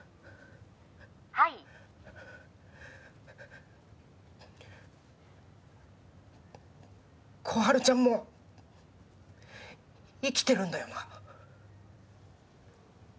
はい心春ちゃんも生きてるんだよな？